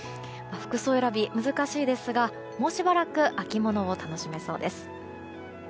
服装選び、難しいですがもうしばらく秋物を楽しめそうです。